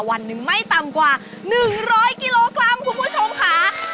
วันหนึ่งไม่ต่ำกว่า๑๐๐กิโลกรัมคุณผู้ชมค่ะ